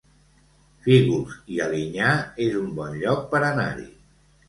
Fígols i Alinyà es un bon lloc per anar-hi